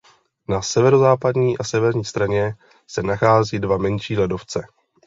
Na severozápadní a severní straně se nachází dva menší ledovce.